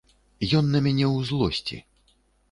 Ён на мяне ў злосці.